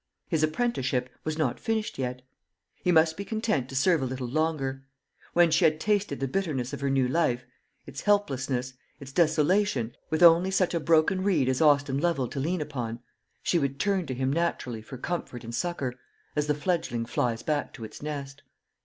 His apprenticeship was not finished yet; he must be content to serve a little longer. When she had tasted the bitterness of her new life, its helplessness, its desolation, with only such a broken reed as Austin Lovel to lean upon, she would turn to him naturally for comfort and succour, as the fledgling flies back to its nest.